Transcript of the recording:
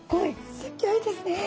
すギョいですね。